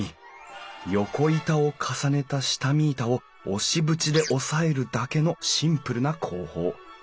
横板を重ねた下見板を押し縁で押さえるだけのシンプルな工法。